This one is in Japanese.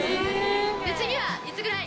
次はいつぐらい？